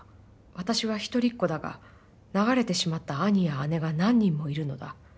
私は一人っ子だが、流れてしまった兄や姉が何人もいるのだ。